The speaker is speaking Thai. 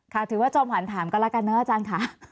ค่ะค่ะถือว่าจอมหวานถามก็แล้วกันเนอะอาจารย์ค่ะ